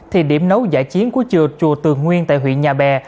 thì điểm nấu giải chiến của chùa tường nguyên tại huyện nhà bè